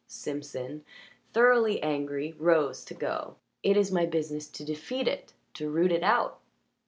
Simpson, thoroughly angry, rose to go. "It is my business to defeat it to root it out."